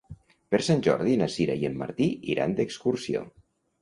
Per Sant Jordi na Sira i en Martí iran d'excursió.